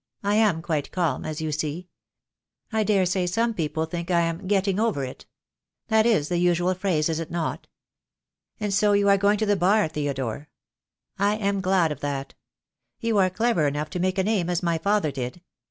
I am quite calm, as you see. I daresay some people think I am getting over it. That is the usual phrase, is it not? And so you are going to the Bar, Theodore. I am glad of that. You are clever enough to make a name as my father did.